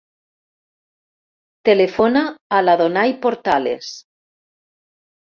Telefona a l'Adonay Portales.